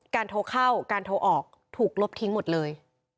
โทรเข้าการโทรออกถูกลบทิ้งหมดเลย